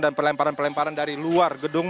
dan pelemparan pelemparan dari luar gedung